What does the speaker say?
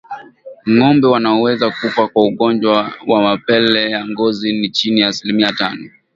Ngombe wanaoweza kufa kwa ugonjwa wa mapele ya ngozi ni chini ya asilimia tano